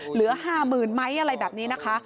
เหลือ๕หมื่นไม้อะไรแบบนี้นะคะ